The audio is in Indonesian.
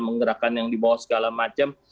menggerakkan yang dibawa segala macam